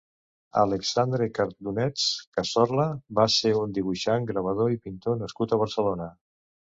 Alexandre Cardunets Cazorla va ser un dibuixant, gravador i pintor nascut a Barcelona.